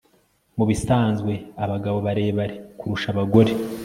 Mubisanzwe abagabo barebare kurusha abagore